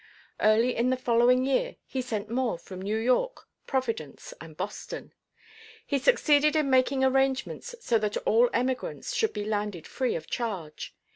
Early in the following year he sent more from New York, Providence and Boston. He succeeded in making arrangements so that all emigrants should be landed free of charge.